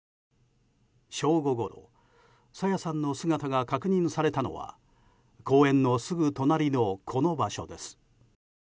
正午ごろ、朝芽さんの姿が確認されたのは公園のすぐ隣のこの場所です。